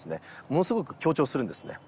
ものすごく強調するんですね